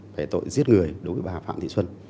về tội giết người đối với bà phạm thị xuân